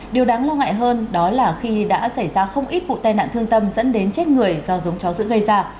điều đáng lo ngại hơn đó là khi đã xảy ra không ít vụ tai nạn thương tâm dẫn đến chết người do giống chó giữ gây ra